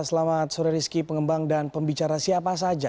selamat sore rizky pengembang dan pembicara siapa saja